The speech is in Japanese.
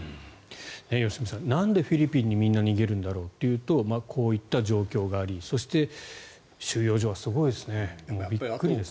良純さんなんでフィリピンにみんな逃げるんだろうというとこういった状況がありそして、収容所はすごいですねもうびっくりです。